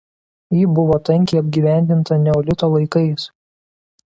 Ji buvo tankiai apgyvendinta neolito laikais.